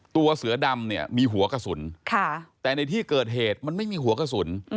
ตัวเสือดำเนี่ยมีหัวกระสุนแต่ในที่เกิดเหตุมันไม่มีหัวกระสุน